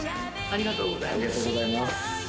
ありがとうございます。